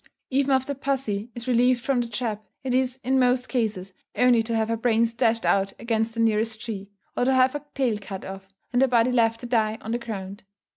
Even after pussy is relieved from the trap, it is, in most cases, only to have her brains dashed out against the nearest tree, or to have her tail cut off, and her body left to die on the ground.